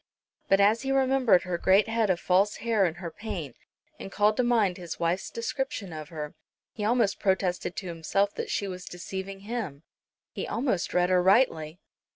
But as he remembered her great head of false hair and her paint, and called to mind his wife's description of her, he almost protested to himself that she was deceiving him; he almost read her rightly.